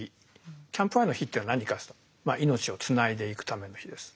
キャンプファイヤーの火っていうのは何かっていうと命をつないでいくための火です。